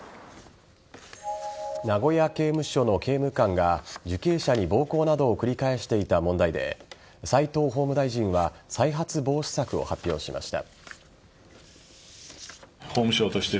名古屋刑務所の刑務官が受刑者に暴行などを繰り返していた問題で斎藤法務大臣は再発防止策を発表しました。